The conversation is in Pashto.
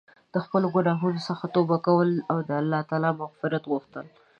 د خپلو ګناهونو څخه توبه کول او د الله مغفرت غوښتل.